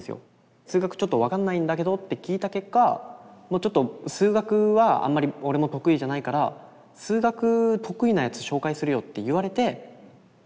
「数学ちょっと分かんないんだけど」って聞いた結果ちょっと「数学はあんまり俺も得意じゃないから「数学得意なやつ紹介するよ」って言われて。